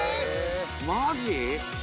「マジ？」